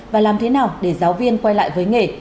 và làm thế nào để giáo viên quay lại với nghề